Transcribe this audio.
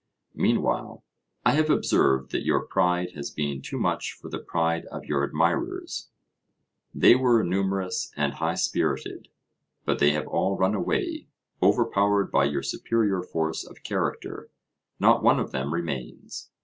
Meanwhile, I have observed that your pride has been too much for the pride of your admirers; they were numerous and high spirited, but they have all run away, overpowered by your superior force of character; not one of them remains.